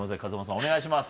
お願いします。